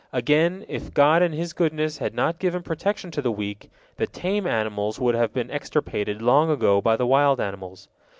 Again, if God in His goodness had not given protection to the weak, the tame animals would have been extirpated long ago by the wild animals.